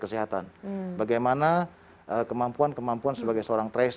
bagaimana kemampuan kemampuan sebagai seorang tersebut bagaimana kemampuan kemampuan sebagai seorang tersebut